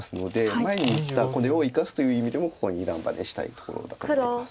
前に言ったこれを生かすという意味でもここに二段バネしたいところだと思います。